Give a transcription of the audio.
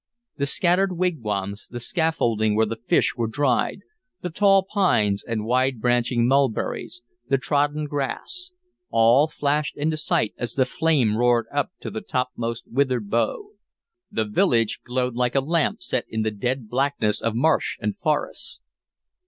The scattered wigwams, the scaffolding where the fish were dried, the tall pines and wide branching mulberries, the trodden grass, all flashed into sight as the flame roared up to the top most withered bough. The village glowed like a lamp set in the dead blackness of marsh and forest.